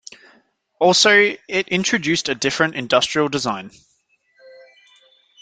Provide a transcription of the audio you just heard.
Also it introduced a different industrial design.